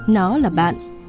nó là bạn